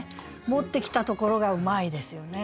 持ってきたところがうまいですよね。